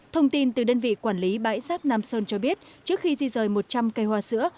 thông tin từ đơn vị quản lý bãi giác nam sơn cho biết trước khi di rời một trăm linh cây hoa sữa